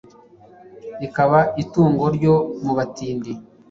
ikaba itungo ryo mu batindi